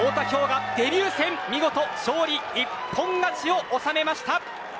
雅、デビュー戦見事勝利一本勝ちを納めました。